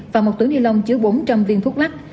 và một túi ni lông chứa bốn trăm linh viên thuốc lắc